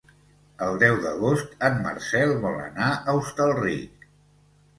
El deu d'agost en Marcel vol anar a Hostalric.